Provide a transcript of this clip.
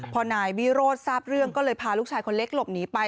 พอนายวิโรธทราบเรื่องก็เลยพาลูกชายคนเล็กหลบหนีไป